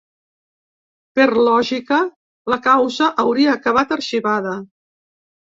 Per lògica, la causa hauria acabat arxivada.